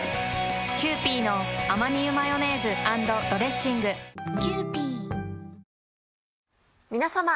キユーピーのアマニ油マヨネーズ＆ドレッシング皆さま。